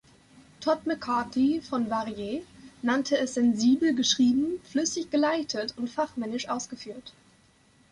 Todd McCarthy von „Variet“ nannte es „sensibel geschrieben, flüssig geleitet und fachmännisch ausgeführt“.